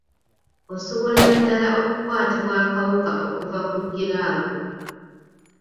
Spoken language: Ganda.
Osobolera ddala okukwatibwa akawuka okuva ku giraavu.